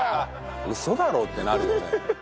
ウソだろ！？ってなるよね。